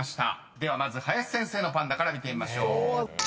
［ではまず林先生のパンダから見てみましょう］